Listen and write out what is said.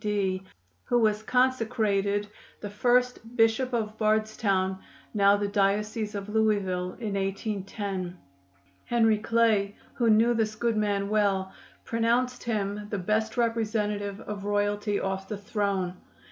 D., who was consecrated the first Bishop of Bardstown (now the Diocese of Louisville) in 1810. Henry Clay, who knew this good man well, pronounced him "the best representative of royalty off the throne."